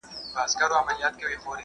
سپوږمۍ په اسمان کي ځلیږي.